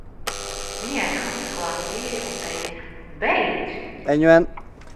Viņai nāca klāt vīri un teica: "Beidz!"